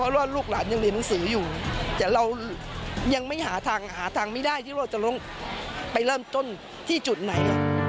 เรายังไม่หาทางหาทางไม่ได้ที่ว่าจะลงไปเริ่มจนที่จุดไหน